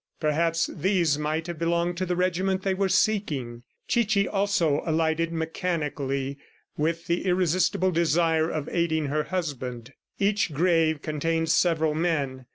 Perhaps these might have belonged to the regiment they were seeking. Chichi also alighted mechanically with the irresistible desire of aiding her husband. Each grave contained several men.